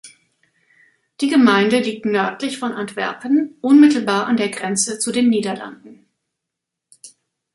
Die Gemeinde liegt nördlich von Antwerpen unmittelbar an der Grenze zu den Niederlanden.